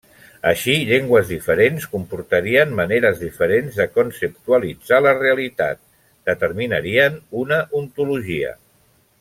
Així, llengües diferents comportarien maneres diferents de conceptualitzar la realitat, determinarien una ontologia.